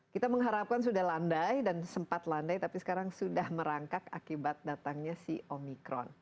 kita mengharapkan sudah landai dan sempat landai tapi sekarang sudah merangkak akibat datangnya si omikron